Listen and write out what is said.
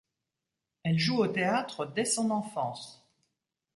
Elle joue au théâtre dès son enfance.